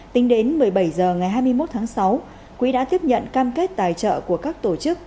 tính đến một mươi bảy h ngày hai mươi một tháng sáu quỹ đã tiếp nhận cam kết tài trợ của các tổ chức